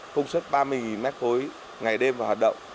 công suất ba mươi nghìn mét khối ngày đêm vào hoạt động